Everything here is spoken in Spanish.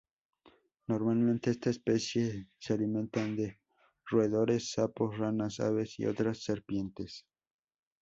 Normalmente, esta especie se alimentan de roedores, sapos, ranas, aves y otras serpientes.